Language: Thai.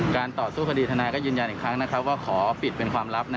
การตอบสู้คดีธนาคอยืนยันอีกครั้งว่าขอปิดเป็นความลับ